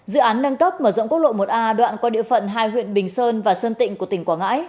dự án nâng cấp mở rộng quốc lộ một a đoạn qua địa phận hai huyện bình sơn và sơn tịnh của tỉnh quảng ngãi